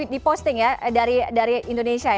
diposting ya dari indonesia